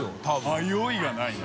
迷いがないな。